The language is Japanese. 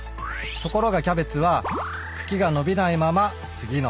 ところがキャベツは茎が伸びないまま次の葉が出ます。